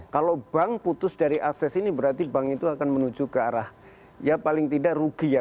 kalau bank putus dari akses ini berarti bank itu akan menuju ke arah ya paling tidak rugi ya